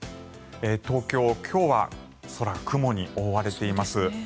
東京、今日は空は雲に覆われています。